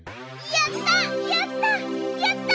やった！